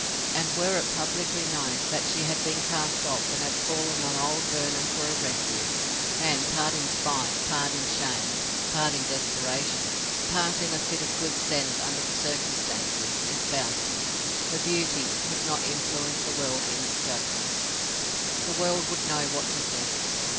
And were it publicly known that she had been cast off, and had fallen on old Vernon for a refuge, and part in spite, part in shame, part in desperation, part in a fit of good sense under the circumstances, espoused him, her beauty would not influence the world in its judgement. The world would know what to think.